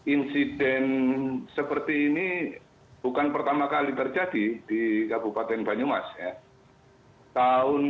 insiden seperti ini bukan pertama kali terjadi di kabupaten banyumas ya